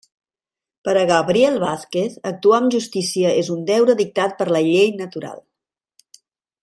Per a Gabriel Vázquez actuar amb justícia és un deure dictat per la llei natural.